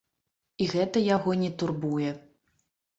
І гэта яго не турбуе.